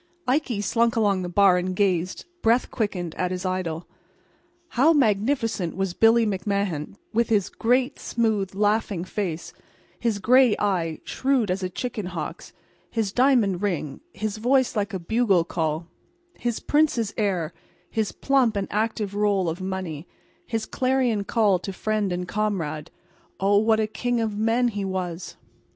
Ikey slunk along the bar and gazed, breath quickened, at his idol. How magnificent was Billy McMahan, with his great, smooth, laughing face; his gray eye, shrewd as a chicken hawk's; his diamond ring, his voice like a bugle call, his prince's air, his plump and active roll of money, his clarion call to friend and comrade—oh, what a king of men he was!